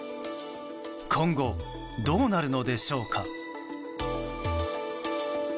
今後どうなるのでしょうか。